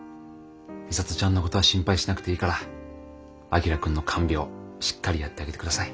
美里ちゃんの事は心配しなくていいから旭君の看病しっかりやってあげて下さい。